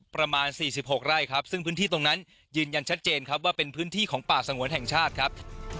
ประมาณ๔๖ไร่ครับซึ่งพื้นที่ตรงนั้นยืนยันชัดเจนครับว่าเป็นพื้นที่ของป่าสงวนแห่งชาติครับ